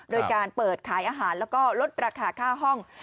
โดยการเปิดขายอาหารแล้วก็ลดราคาค่าห้อง